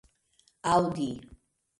aŭdi